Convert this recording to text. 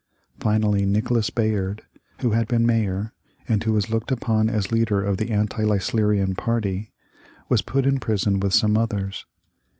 Finally Nicholas Bayard, who had been Mayor, and who was looked upon as leader of the anti Leislerian party, was put in prison with some others.